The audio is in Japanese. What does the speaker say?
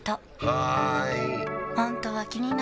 はーい！